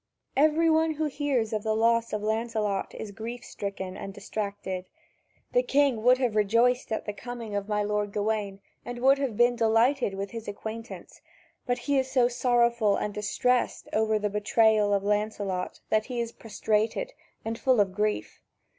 Every one who hears of the loss of Lancelot is grief stricken and distracted. The king would have rejoiced at the coming of my lord Gawain and would have been delighted with his acquaintance; but he is so sorrowful and distressed over the betrayal of Lancelot that he is prostrated and full of grief.